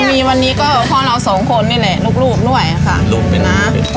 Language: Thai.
เรามีวันนี้ก็พ่อเราสองคนนี่เลยลูกรูปด้วยนะคะ